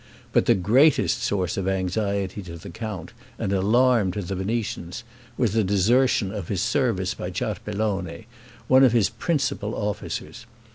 But the greatest source of anxiety to the count, and alarm to the Venetians, was the desertion of his service by Ciarpellone, one of his principal officers.